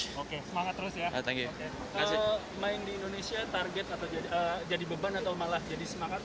oke semangat terus ya kalau main di indonesia target atau jadi beban atau malah jadi semangat